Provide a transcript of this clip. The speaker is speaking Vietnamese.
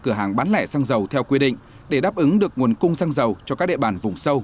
cửa hàng bán lẻ xăng dầu theo quy định để đáp ứng được nguồn cung xăng dầu cho các địa bàn vùng sâu